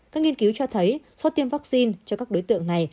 các nghiên cứu cho thấy sau tiêm vaccine cho các đối tượng này